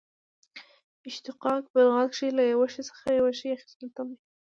اشتقاق په لغت کښي له یوه شي څخه یو شي اخستلو ته وايي.